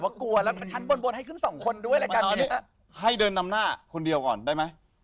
มานานี้ให้เดินดำหน้าคนเดียวก่อนได้มั้ย